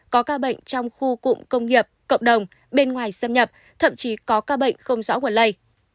có ca bệnh trong khu cụm công nghiệp cộng đồng bên ngoài xâm nhập thậm chí có ca bệnh không rõ nguồn lây